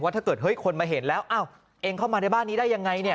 ถ้าเกิดเฮ้ยคนมาเห็นแล้วอ้าวเองเข้ามาในบ้านนี้ได้ยังไงเนี่ย